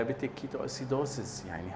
ketika kita menjaga keadaan kita